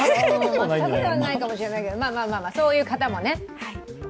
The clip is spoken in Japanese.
全くではないかもしれないけど、まあまあ、そういう方もね。